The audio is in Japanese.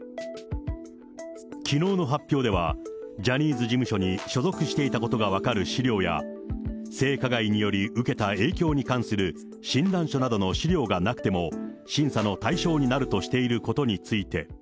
きのうの発表では、ジャニーズ事務所に所属していたことが分かる資料や、性加害により、受けた影響に関する診断書などの資料がなくても審査の対象になるとしていることについて。